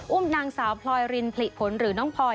อุ้มนางสาวพลอยรินผลิฝนหรือน้องพอย